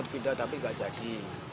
tapi nggak jadi